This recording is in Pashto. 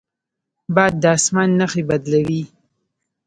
باد د اسمان نښې بدلوي